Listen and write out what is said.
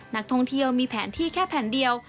นักท่องเที่ยวมีแผนที่แค่แผนเดียว